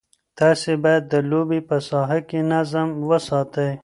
تاسي باید د لوبې په ساحه کې نظم وساتئ.